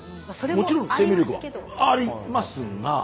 もちろん生命力はありますが。